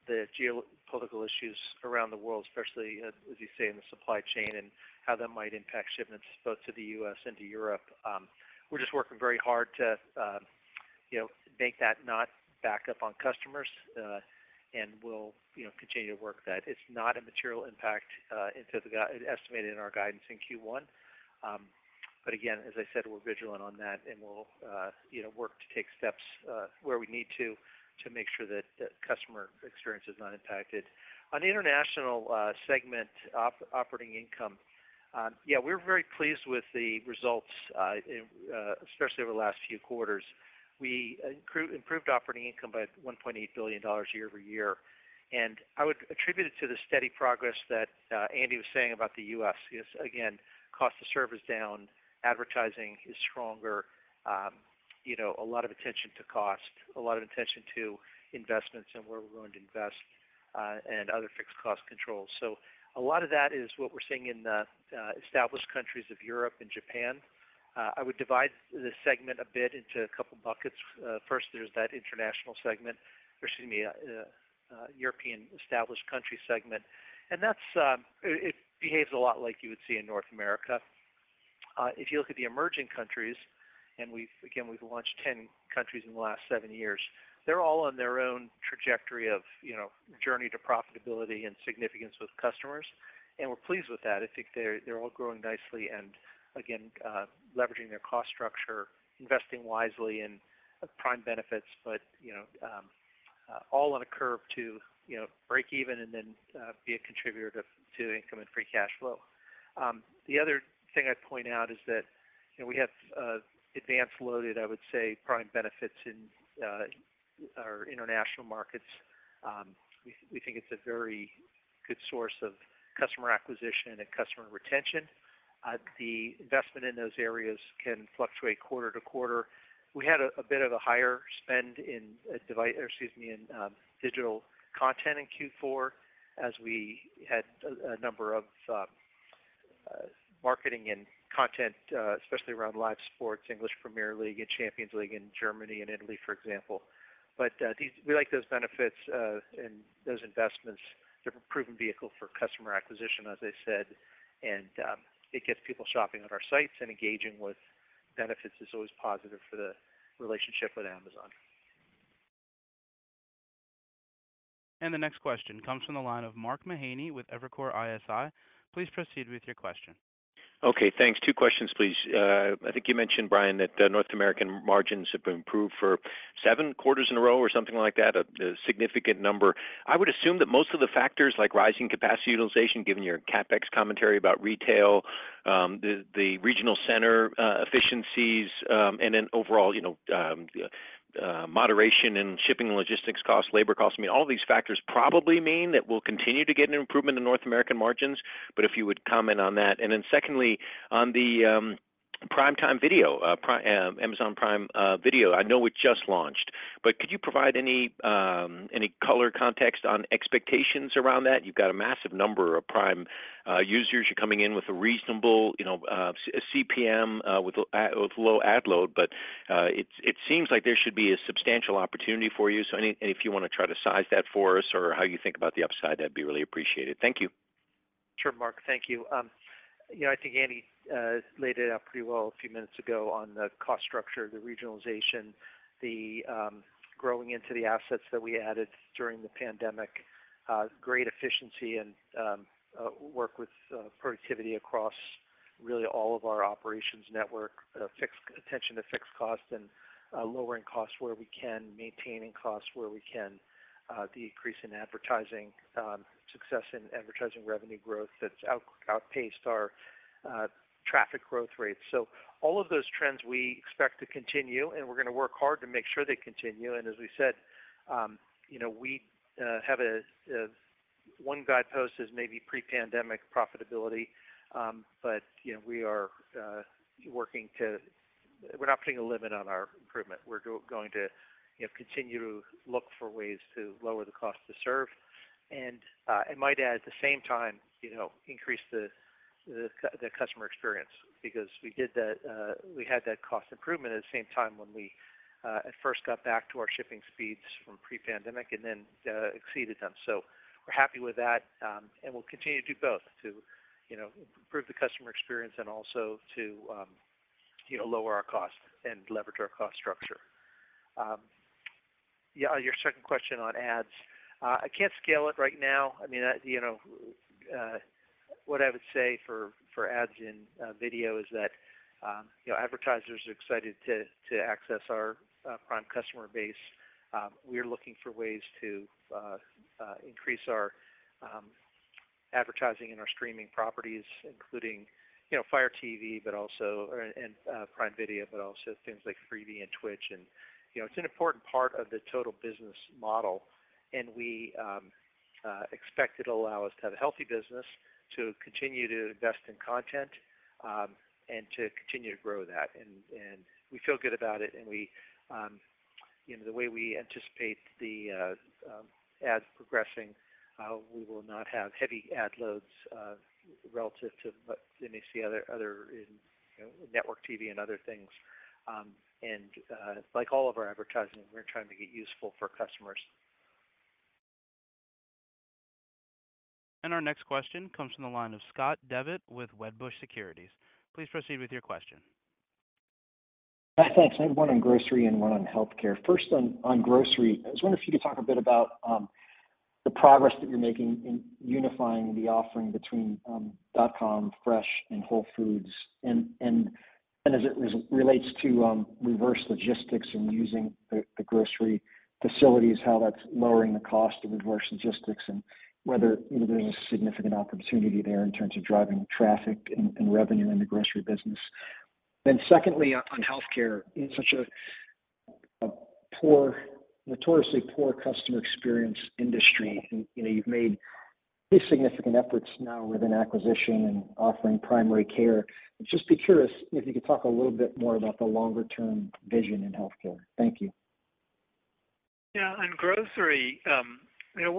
the geopolitical issues around the world, especially as, as you say, in the supply chain and how that might impact shipments both to the U.S. and to Europe. We're just working very hard to, you know, make that not back up on customers, and we'll, you know, continue to work that. It's not a material impact estimated in our guidance in Q1. But again, as I said, we're vigilant on that, and we'll, you know, work to take steps where we need to, to make sure that the customer experience is not impacted. On the international segment operating income, yeah, we're very pleased with the results in, especially over the last few quarters. We improved operating income by $1.8 billion year-over-year, and I would attribute it to the steady progress that Andy was saying about the U.S. Because, again, cost to serve is down, advertising is stronger, you know, a lot of attention to cost, a lot of attention to investments and where we're going to invest, and other fixed cost controls. So a lot of that is what we're seeing in the established countries of Europe and Japan. I would divide this segment a bit into a couple buckets. First, there's that international segment, excuse me, European established country segment, and that's, it, it behaves a lot like you would see in North America.... If you look at the emerging countries, and we've, again, we've launched 10 countries in the last 7 years, they're all on their own trajectory of, you know, journey to profitability and significance with customers, and we're pleased with that. I think they're all growing nicely, and again, leveraging their cost structure, investing wisely in Prime benefits, but, you know, all on a curve to, you know, break even and then be a contributor to income and Free Cash Flow. The other thing I'd point out is that, you know, we have advanced loaded, I would say, Prime benefits in our international markets. We think it's a very good source of customer acquisition and customer retention. The investment in those areas can fluctuate quarter to quarter. We had a bit of a higher spend in digital content in Q4, as we had a number of marketing and content, especially around live sports, English Premier League and Champions League in Germany and Italy, for example. But these... We like those benefits and those investments. They're a proven vehicle for customer acquisition, as I said, and it gets people shopping on our sites and engaging with benefits is always positive for the relationship with Amazon. The next question comes from the line of Mark Mahaney with Evercore ISI. Please proceed with your question. Okay, thanks. Two questions, please. I think you mentioned, Brian, that North American margins have improved for seven quarters in a row, or something like that, a significant number. I would assume that most of the factors, like rising capacity utilization, given your CapEx commentary about retail, the regional center efficiencies, and then overall, you know, moderation in shipping and logistics costs, labor costs, I mean, all these factors probably mean that we'll continue to get an improvement in North American margins, but if you would comment on that. And then secondly, on the Amazon Prime Video, I know it just launched, but could you provide any color context on expectations around that? You've got a massive number of Prime users. You're coming in with a reasonable, you know, CPM with low ad load, but it seems like there should be a substantial opportunity for you. So if you wanna try to size that for us or how you think about the upside, that'd be really appreciated. Thank you. Sure, Mark. Thank you. You know, I think Andy laid it out pretty well a few minutes ago on the cost structure, the regionalization, the growing into the assets that we added during the pandemic, great efficiency and work with productivity across really all of our operations network, fixed attention to fixed costs and lowering costs where we can, maintaining costs where we can, decrease in advertising, success in advertising revenue growth that's outpaced our traffic growth rates. So all of those trends we expect to continue, and we're gonna work hard to make sure they continue. And as we said, you know, we have a one guidepost as maybe pre-pandemic profitability, but you know, we are working to... We're not putting a limit on our improvement. We're going to, you know, continue to look for ways to lower the cost to serve. And I might add, at the same time, you know, increase the customer experience, because we did that, we had that cost improvement at the same time when we at first got back to our shipping speeds from pre-pandemic and then exceeded them. So we're happy with that, and we'll continue to do both to, you know, improve the customer experience and also to, you know, lower our costs and leverage our cost structure. Yeah, your second question on ads. I can't scale it right now. I mean, you know, what I would say for ads in video is that, you know, advertisers are excited to access our Prime customer base. We're looking for ways to increase our advertising in our streaming properties, including, you know, Fire TV, but also and Prime Video, but also things like Freevee and Twitch. And, you know, it's an important part of the total business model, and we expect it'll allow us to have a healthy business, to continue to invest in content, and to continue to grow that. And we feel good about it, and we, you know, the way we anticipate the ads progressing, we will not have heavy ad loads relative to what you may see others in, you know, network TV and other things. And, like all of our advertising, we're trying to get useful for customers. Our next question comes from the line of Scott Devitt with Wedbush Securities. Please proceed with your question. Thanks. I have one on grocery and one on healthcare. First, on grocery, I was wondering if you could talk a bit about the progress that you're making in unifying the offering between dot-com, Fresh, and Whole Foods, and as it relates to reverse logistics and using the grocery facilities, how that's lowering the cost of reverse logistics, and whether, you know, there's a significant opportunity there in terms of driving traffic and revenue in the grocery business. Then secondly, on healthcare, in such a notoriously poor customer experience industry, and, you know, you've made pretty significant efforts now with an acquisition and offering primary care. I'd just be curious if you could talk a little bit more about the longer term vision in healthcare. Thank you. Yeah, on grocery, you know,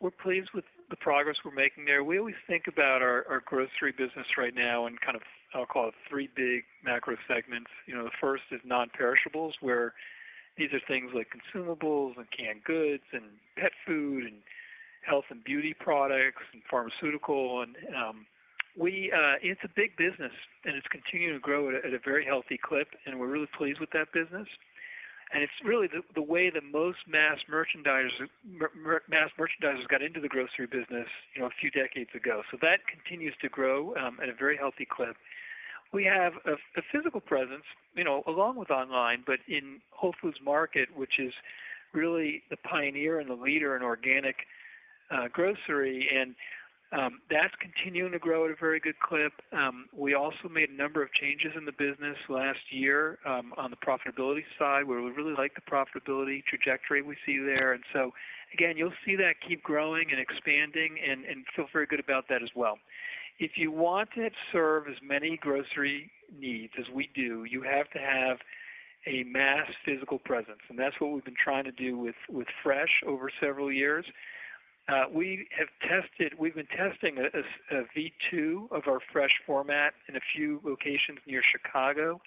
we're pleased with the progress we're making there. We always think about our grocery business right now in kind of, I'll call it three big macro segments. You know, the first is non-perishables, where these are things like consumables and canned goods and pet food and-... health and beauty products and pharmaceutical, and we it's a big business, and it's continuing to grow at a very healthy clip, and we're really pleased with that business. And it's really the way that most mass merchandisers got into the grocery business, you know, a few decades ago. So that continues to grow at a very healthy clip. We have a physical presence, you know, along with online, but in Whole Foods Market, which is really the pioneer and the leader in organic grocery, and that's continuing to grow at a very good clip. We also made a number of changes in the business last year, on the profitability side, where we really like the profitability trajectory we see there. And so again, you'll see that keep growing and expanding and feel very good about that as well. If you want to serve as many grocery needs as we do, you have to have a mass physical presence, and that's what we've been trying to do with Fresh over several years. We've been testing a V2 of our Fresh format in a few locations near Chicago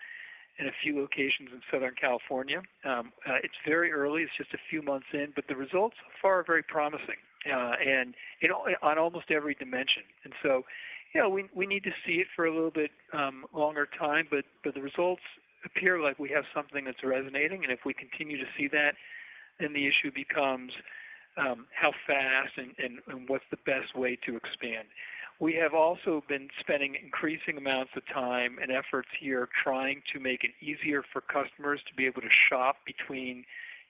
and a few locations in Southern California. It's very early, it's just a few months in, but the results so far are very promising, and you know, on almost every dimension. You know, we need to see it for a little bit longer time, but the results appear like we have something that's resonating. If we continue to see that, then the issue becomes how fast and what's the best way to expand. We have also been spending increasing amounts of time and efforts here, trying to make it easier for customers to be able to shop between,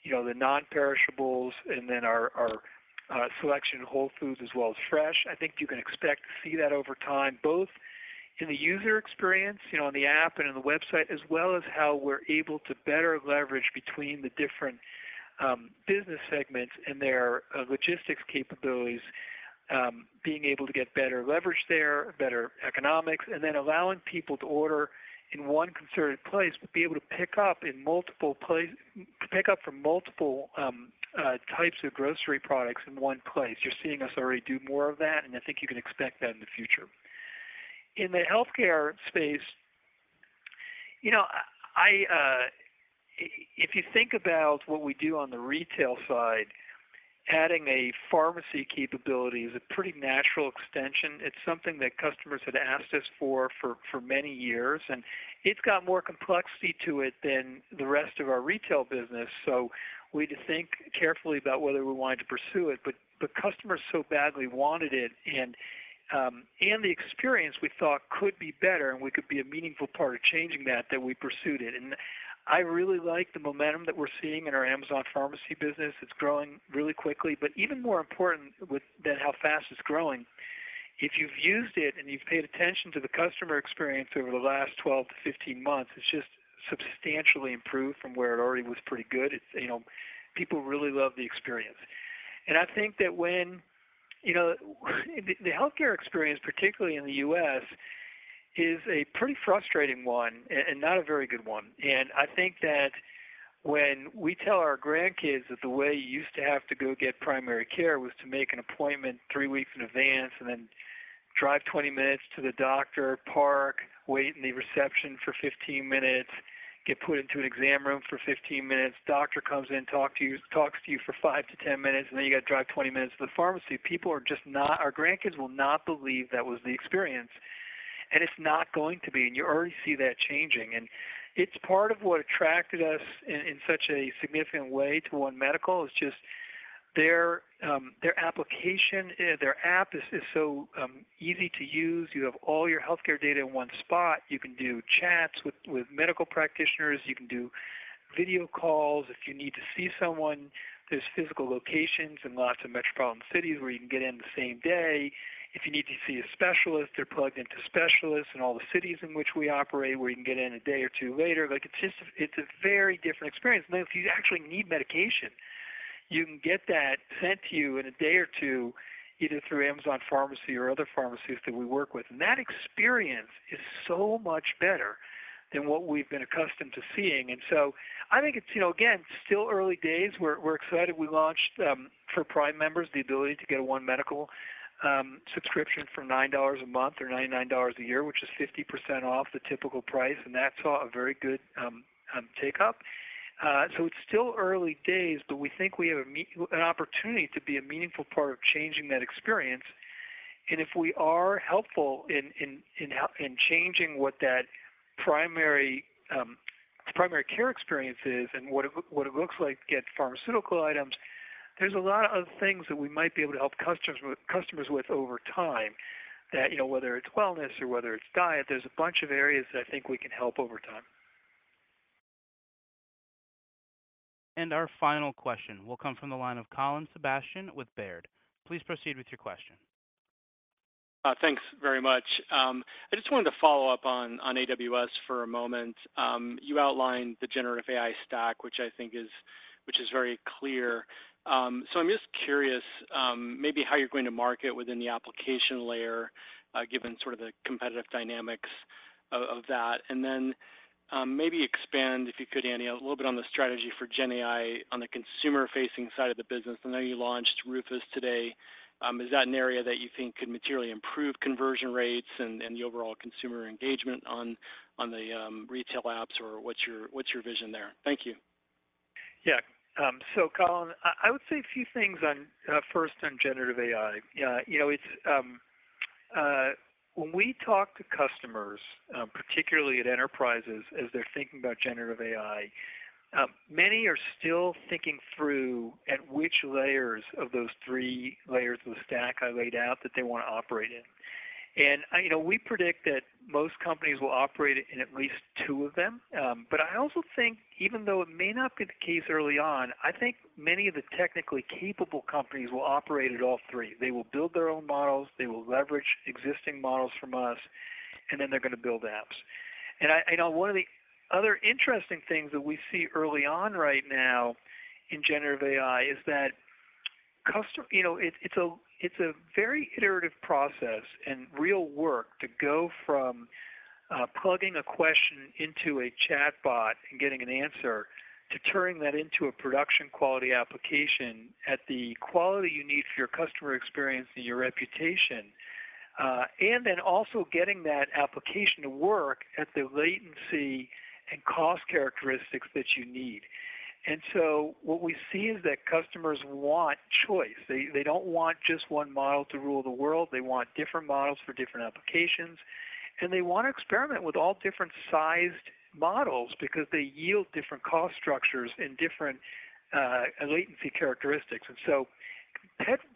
you know, the non-perishables and then our selection of Whole Foods as well as Fresh. I think you can expect to see that over time, both in the user experience, you know, on the app and in the website, as well as how we're able to better leverage between the different business segments and their logistics capabilities, being able to get better leverage there, better economics, and then allowing people to order in one concerted place, but be able to pick up from multiple types of grocery products in one place. You're seeing us already do more of that, and I think you can expect that in the future. In the healthcare space, you know, if you think about what we do on the retail side, adding a pharmacy capability is a pretty natural extension. It's something that customers had asked us for for many years, and it's got more complexity to it than the rest of our retail business. So we had to think carefully about whether we wanted to pursue it, but customers so badly wanted it, and the experience we thought could be better, and we could be a meaningful part of changing that we pursued it. And I really like the momentum that we're seeing in our Amazon Pharmacy business. It's growing really quickly, but even more important than how fast it's growing, if you've used it, and you've paid attention to the customer experience over the last 12-15 months, it's just substantially improved from where it already was pretty good. It's, you know, people really love the experience. I think that when, you know, the healthcare experience, particularly in the U.S., is a pretty frustrating one and not a very good one. And I think that when we tell our grandkids that the way you used to have to go get primary care was to make an appointment 3 weeks in advance and then drive 20 minutes to the doctor, park, wait in the reception for 15 minutes, get put into an exam room for 15 minutes, doctor comes in, talks to you for 5-10 minutes, and then you got to drive 20 minutes to the pharmacy. People are just not, our grandkids will not believe that was the experience, and it's not going to be, and you already see that changing. It's part of what attracted us in such a significant way to One Medical, is just their application, their app is so easy to use. You have all your healthcare data in one spot. You can do chats with medical practitioners. You can do video calls. If you need to see someone, there's physical locations in lots of metropolitan cities where you can get in the same day. If you need to see a specialist, they're plugged into specialists in all the cities in which we operate, where you can get in a day or two later. Like, it's just, it's a very different experience. And then if you actually need medication, you can get that sent to you in a day or two, either through Amazon Pharmacy or other pharmacies that we work with. That experience is so much better than what we've been accustomed to seeing. So I think it's, you know, again, still early days. We're excited. We launched for Prime members the ability to get a One Medical subscription for $9 a month or $99 a year, which is 50% off the typical price, and that saw a very good take-up. So it's still early days, but we think we have an opportunity to be a meaningful part of changing that experience. And if we are helpful in changing what that primary care experience is and what it looks like to get pharmaceutical items, there's a lot of things that we might be able to help customers with over time that, you know, whether it's wellness or whether it's diet, there's a bunch of areas that I think we can help over time. Our final question will come from the line of Colin Sebastian with Baird. Please proceed with your question. Thanks very much. I just wanted to follow up on AWS for a moment. You outlined the generative AI stack, which I think is very clear. So I'm just curious, maybe how you're going to market within the application layer, given sort of the competitive dynamics of that. And then, maybe expand, if you could, Andy, a little bit on the strategy for GenAI on the consumer-facing side of the business. I know you launched Rufus today. Is that an area that you think could materially improve conversion rates and the overall consumer engagement on the retail apps, or what's your, what's your vision there? Thank you.... Yeah, so Colin, I, I would say a few things on, first on generative AI. You know, it's, when we talk to customers, particularly at enterprises as they're thinking about generative AI, many are still thinking through at which layers of those three layers of the stack I laid out that they wanna operate in. And, you know, we predict that most companies will operate in at least two of them. But I also think even though it may not be the case early on, I think many of the technically capable companies will operate at all three. They will build their own models, they will leverage existing models from us, and then they're gonna build apps. And I, I know one of the other interesting things that we see early on right now in generative AI is that customer... You know, it's a very iterative process and real work to go from plugging a question into a chatbot and getting an answer, to turning that into a production quality application at the quality you need for your customer experience and your reputation. And then also getting that application to work at the latency and cost characteristics that you need. And so what we see is that customers want choice. They don't want just one model to rule the world, they want different models for different applications. And they wanna experiment with all different sized models because they yield different cost structures and different latency characteristics. And so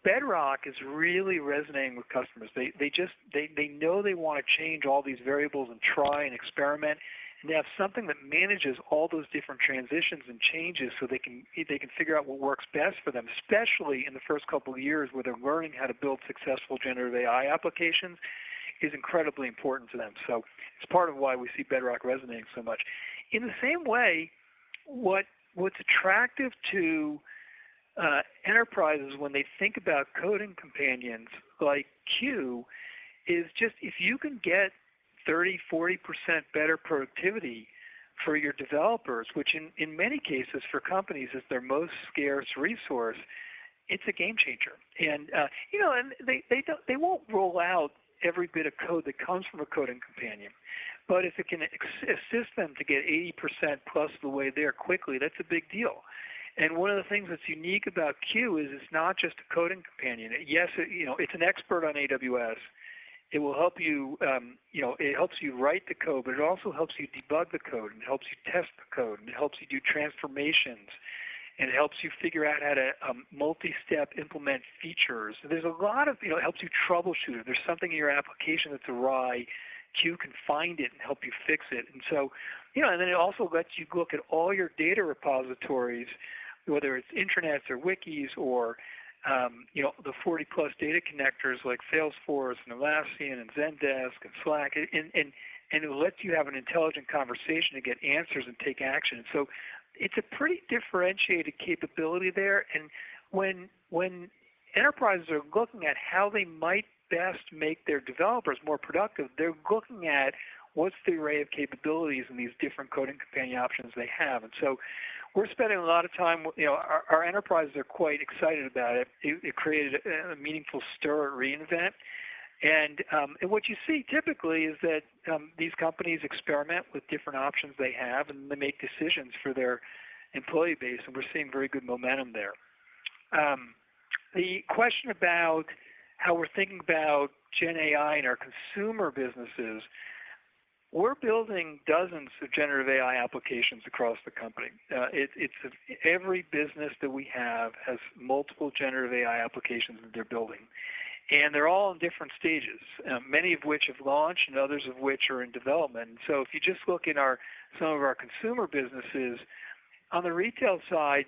Bedrock is really resonating with customers. They just... They know they wanna change all these variables and try and experiment, and to have something that manages all those different transitions and changes so they can figure out what works best for them, especially in the first couple of years where they're learning how to build successful generative AI applications, is incredibly important to them. So it's part of why we see Bedrock resonating so much. In the same way, what's attractive to enterprises when they think about coding companions like Q, is just if you can get 30%-40% better productivity for your developers, which in many cases for companies is their most scarce resource, it's a game changer. You know, they won't roll out every bit of code that comes from a coding companion, but if it can assist them to get 80%+ of the way there quickly, that's a big deal. And one of the things that's unique about Q is it's not just a coding companion. Yes, it, you know, it's an expert on AWS. It will help you, you know, it helps you write the code, but it also helps you debug the code, and it helps you test the code, and it helps you do transformations, and it helps you figure out how to multi-step implement features. There's a lot of... You know, it helps you troubleshoot, if there's something in your application that's awry, Q can find it and help you fix it. And so, you know, and then it also lets you look at all your data repositories, whether it's intranets or wikis or, you know, the 40-plus data connectors like Salesforce and Atlassian and Zendesk and Slack, and it lets you have an intelligent conversation to get answers and take action. So it's a pretty differentiated capability there. And when enterprises are looking at how they might best make their developers more productive, they're looking at what's the array of capabilities in these different coding companion options they have. And so we're spending a lot of time... You know, our enterprises are quite excited about it. It created a meaningful stir at re:Invent. And what you see typically is that, these companies experiment with different options they have, and they make decisions for their employee base, and we're seeing very good momentum there. The question about how we're thinking about GenAI in our consumer businesses, we're building dozens of generative AI applications across the company. It's every business that we have has multiple generative AI applications that they're building, and they're all in different stages, many of which have launched and others of which are in development. So if you just look at some of our consumer businesses, on the retail side,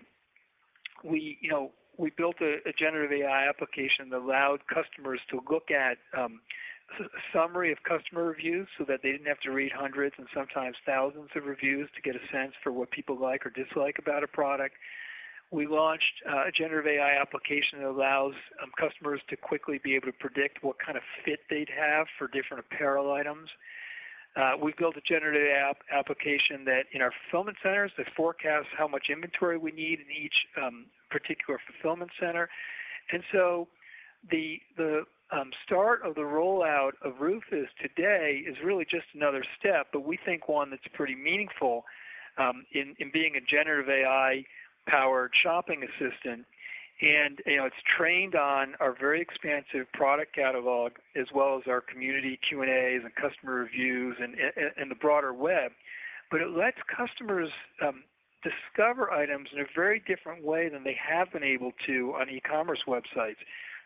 you know, we built a generative AI application that allowed customers to look at a summary of customer reviews so that they didn't have to read hundreds and sometimes thousands of reviews to get a sense for what people like or dislike about a product. We launched a generative AI application that allows customers to quickly be able to predict what kind of fit they'd have for different apparel items. We built a generative application that in our fulfillment centers forecasts how much inventory we need in each particular fulfillment center. And so the start of the rollout of Rufus today is really just another step, but we think one that's pretty meaningful in being a generative AI-powered shopping assistant. You know, it's trained on our very expansive product catalog, as well as our community Q&As and customer reviews and the broader web. But it lets customers discover items in a very different way than they have been able to on e-commerce websites.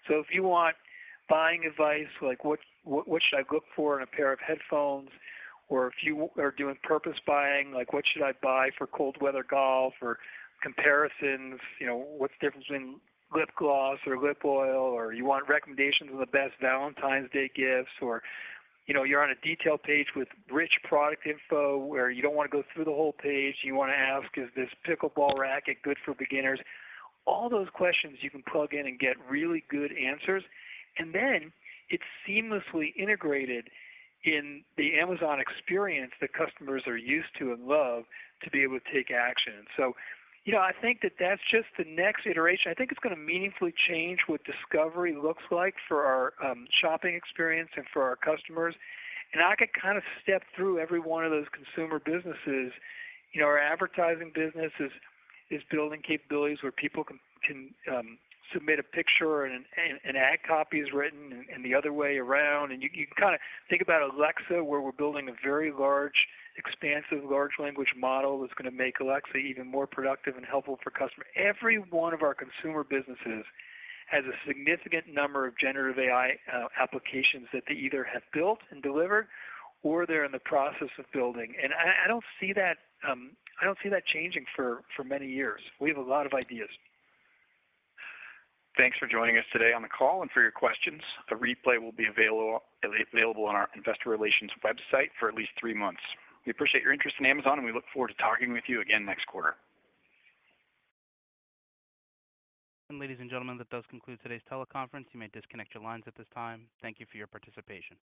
So if you want buying advice, like what should I look for in a pair of headphones? Or if you are doing purpose buying, like what should I buy for cold weather golf? Or comparisons, you know, what's the difference between lip gloss or lip oil? Or you want recommendations on the best Valentine's Day gifts, or, you know, you're on a detail page with rich product info, where you don't wanna go through the whole page, you wanna ask, "Is this pickleball racket good for beginners?" All those questions you can plug in and get really good answers. And then it's seamlessly integrated in the Amazon experience that customers are used to and love to be able to take action. So, you know, I think that that's just the next iteration. I think it's gonna meaningfully change what discovery looks like for our shopping experience and for our customers. And I could kind of step through every one of those consumer businesses. You know, our advertising business is building capabilities where people can submit a picture and an ad copy is written, and the other way around. And you can kinda think about Alexa, where we're building a very large, expansive, large language model that's gonna make Alexa even more productive and helpful for customers. Every one of our consumer businesses has a significant number of generative AI applications that they either have built and delivered or they're in the process of building. And I, I don't see that, I don't see that changing for, for many years. We have a lot of ideas. Thanks for joining us today on the call and for your questions. A replay will be available on our investor relations website for at least three months. We appreciate your interest in Amazon, and we look forward to talking with you again next quarter. Ladies and gentlemen, that does conclude today's teleconference. You may disconnect your lines at this time. Thank you for your participation.